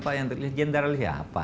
pak yang jenderal siapa